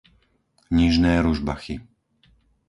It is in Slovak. Nižné Ružbachy